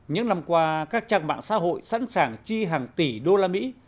những năm qua các trang mạng xã hội sẵn sàng chi hàng tỷ đô la mỹ